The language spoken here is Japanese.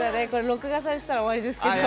録画されてたら終わりですけど。